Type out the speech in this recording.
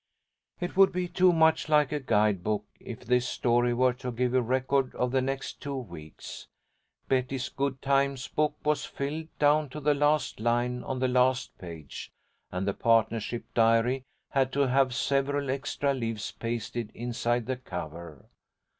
It would be too much like a guide book if this story were to give a record of the next two weeks. Betty's good times book was filled, down to the last line on the last page, and the partnership diary had to have several extra leaves pasted inside the cover.